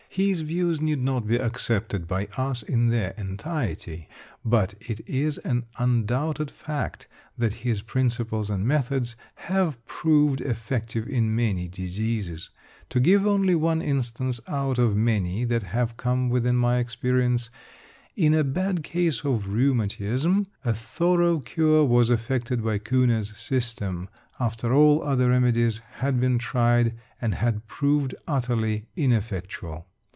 His views need not be accepted by us in their entirety, but it is an undoubted fact that his principles and methods have proved effective in many diseases. To give only one instance out of many that have come within my experience, in a bad case of rheumatism, a thorough cure was effected by Kuhne's system, after all other remedies had been tried, and had proved utterly ineffectual.